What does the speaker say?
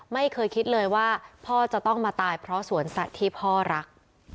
ไม่เคยคิดเลยว่าพ่อจะต้องมาตายเพราะสวนสัตว์ที่พ่อรัก